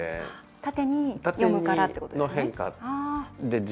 縦に読むからってことですね？